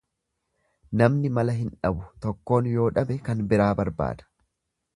Namni mala hin dhabu tokkoon yoo dhabe kan biraa barbaada.